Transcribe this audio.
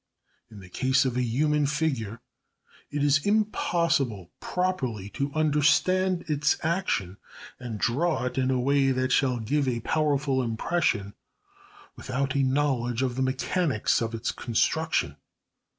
In the case of the human figure it is impossible properly to understand its action and draw it in a way that shall give a powerful impression without a knowledge of the mechanics of its construction.